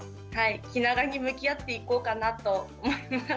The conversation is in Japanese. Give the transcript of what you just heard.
気長に向き合っていこうかなと思います。